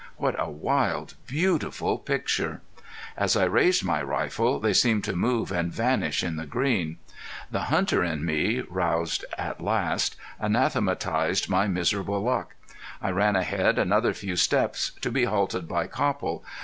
What a wild beautiful picture! As I raised my rifle they seemed to move and vanish in the green. The hunter in me, roused at last, anathematized my miserable luck. I ran ahead another few steps, to be halted by Copple.